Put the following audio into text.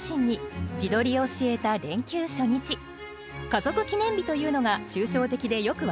「家族記念日」というのが抽象的でよく分かりません。